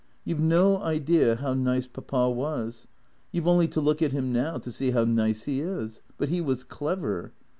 You 've no idea how nice Papa was. You 've only to look at him now to see how nice he is. But he was clever.